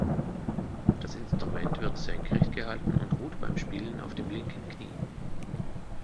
Das Instrument wird senkrecht gehalten und ruht beim Spielen auf dem linken Knie.